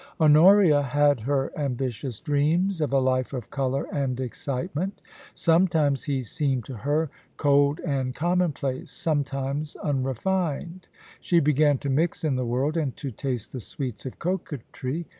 Honoria had her ambitious dreams of a life of colour and excitement Sometimes he seemed to her cold and commonplace, some times unrefined. She began to mix in the world and to taste the sweets of coquetry.